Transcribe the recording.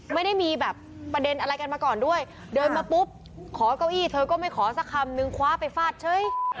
ไม่ได้มีแบบประเด็นอะไรกันมาก่อนด้วยเดินมาปุ๊บขอเก้าอี้เธอก็ไม่ขอสักคำนึงคว้าไปฟาดเฉย